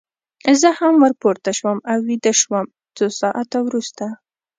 زه هم ور پورته شوم او ویده شوم، څو ساعته وروسته.